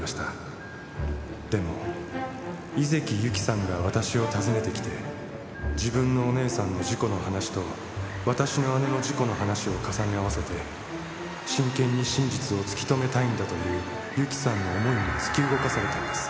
「でも井関ゆきさんが私を訪ねてきて自分のお姉さんの事故の話と私の姉の事故の話を重ね合わせて真剣に真実を突き止めたいんだというゆきさんの思いに突き動かされたんです」